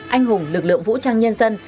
anh hùng lực lượng vũ trang nhân dân